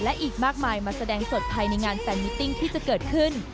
และอีกมากมายมาแสดงสดภายในงานแฟนมิติ้งที่จะเกิดขึ้น